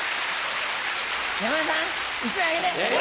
山田さん１枚あげて！